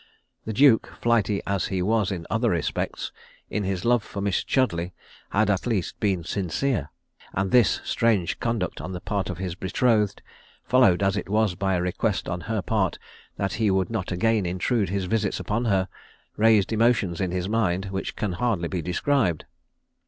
The duke, flighty as he was in other respects, in his love for Miss Chudleigh had at least been sincere; and this strange conduct on the part of his betrothed, followed as it was by a request on her part that he would not again intrude his visits upon her, raised emotions in his mind which can hardly be described.